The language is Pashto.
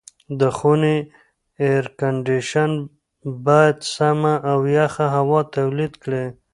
د خونې اېرکنډیشن باید سمه او یخه هوا تولید کړي.